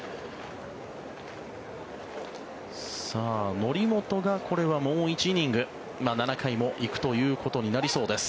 則本がこれはもう１イニング７回も行くということになりそうです。